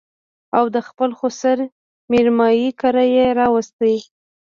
او د خپل سخر مېرمايي کره يې راوسته